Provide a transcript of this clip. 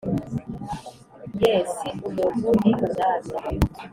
yee si umuntu ni umwami!